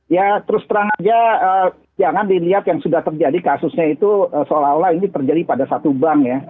ya terus terang aja jangan dilihat yang sudah terjadi kasusnya itu seolah olah ini terjadi pada satu bank ya